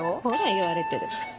ほら言われてる。